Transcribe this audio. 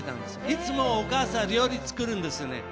いつもお母さんが料理作るんですね。